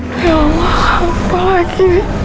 ya allah apa lagi